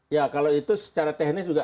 ya kalau itu secara teknis juga